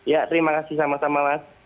ya terima kasih sama sama mas